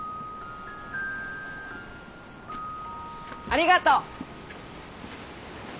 ありがとう。